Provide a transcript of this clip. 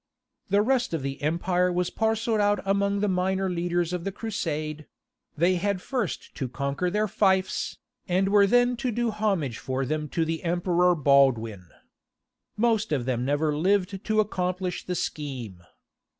The rest of the empire was parcelled out among the minor leaders of the Crusade; they had first to conquer their fiefs, and were then to do homage for them to the Emperor Baldwin. Most of them never lived to accomplish the scheme.